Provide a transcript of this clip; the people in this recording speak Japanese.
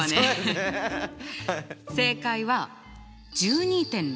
正解は１２．６％。